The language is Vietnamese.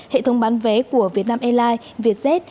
hệ thống bán vé của vietnam airlines vietjet